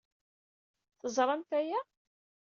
Teẓramt aya?